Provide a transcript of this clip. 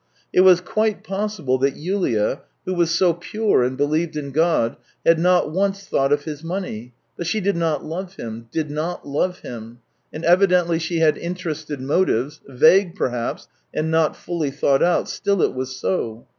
It was quite possible that Yulia. who was so pure and believed in God. had I 14 210 THE TALES OF TCHEHOV not once thought of his money; but she did not love him — did not love him, and evidently she had interested motives, vague, perhaps, and not fully thought out — still, it was so.